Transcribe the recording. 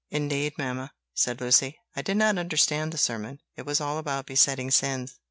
"Indeed, mamma," said Lucy, "I did not understand the sermon; it was all about besetting sins.